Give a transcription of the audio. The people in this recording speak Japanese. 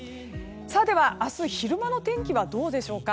明日昼間の天気はどうでしょうか。